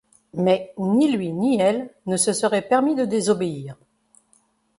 Mais ni lui ni elle ne se serait permis de désobéir.